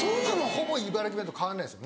ほぼ茨城弁と変わんないです